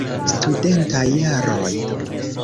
Studentaj jaroj.